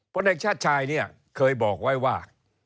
พลเอกชาติชายเคยบอกไว้ว่า